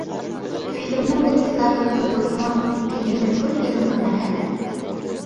فىلىمنىڭ تەپسىلاتىغا قىزىقسىڭىز، قېنى مەزكۇر فىلىمغا مەرھەمەت.